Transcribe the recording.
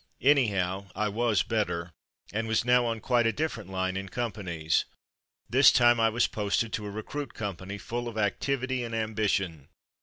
Anyhow, I was better, and was now on quite a different line in com panies. This time I was posted to a recruit company, full of activity and ambition.